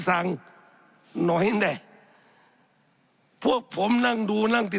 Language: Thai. สับขาหลอกกันไปสับขาหลอกกันไป